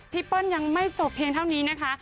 เปิ้ลยังไม่จบเพียงเท่านี้นะคะ